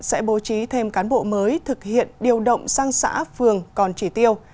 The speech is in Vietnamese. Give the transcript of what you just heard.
sẽ bố trí thêm cán bộ mới thực hiện điều động sang xã phường còn chỉ tiêu